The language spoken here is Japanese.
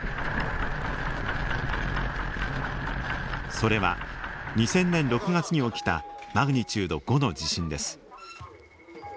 それは２０００年６月に起きたマグニチュード５の地震です。